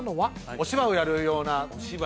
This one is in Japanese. お芝居をやるようなお芝居？